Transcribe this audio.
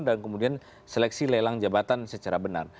dan kemudian seleksi lelang jabatan secara benar